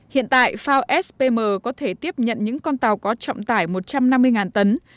hiện tại food spm có thể tiếp nhận những con tàu có trọng tải một trăm năm mươi tấn